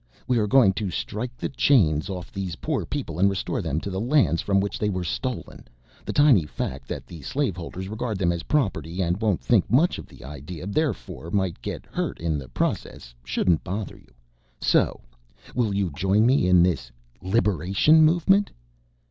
We are going to strike the chains off these poor people and restore them to the lands from which they were stolen. The tiny fact that the slave holders regard them as property and won't think much of the idea, therefore might get hurt in the process, shouldn't bother you. So will you join me in this Liberation Movement?"